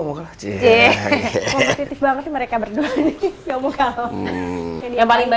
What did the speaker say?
kompetitif banget sih mereka berdua nih